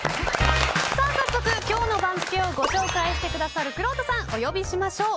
早速今日の番付をご紹介してくださるくろうとさんお呼びしましょう。